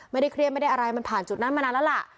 ไม่ได้เครียดไม่ได้อะไรมันผ่านจุดนั้นมานานแล้วล่ะ